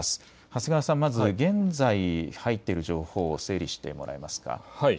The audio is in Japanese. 長谷川さん、まず現在入っている情報を整理してもらえますか。